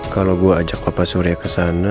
kalau gua ajak papa surya kesana